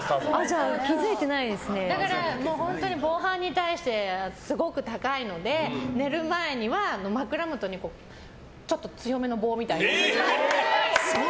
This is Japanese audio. だから本当に防犯に対してすごく高いので寝る前には枕元にちょっと強めの棒みたいな。